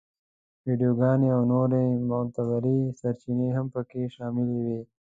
ویډیوګانې او نورې معتبرې سرچینې هم په کې شاملې وې.